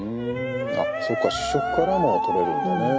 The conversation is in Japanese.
あそっか主食からもとれるんだね。